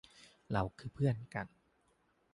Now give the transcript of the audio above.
เราคือเพื่อนกัน